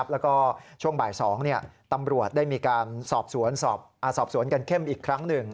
แล้วก็ช่วงบ่าย๒ตำรวจได้มีการสอบสวนกันเข้มอีกครั้งหนึ่ง